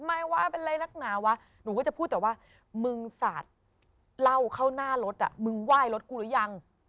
มึงไหว้รถกูหรือยัง